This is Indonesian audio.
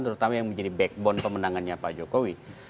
terutama yang menjadi backbone pemenangannya pak jokowi